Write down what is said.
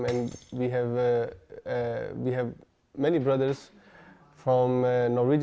kami memiliki banyak saudara dari masyarakat norwegia